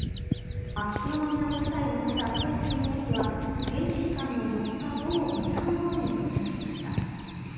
秋篠宮ご夫妻を乗せた政府専用機は、現地時間の４日午後５時半ごろに到着しました。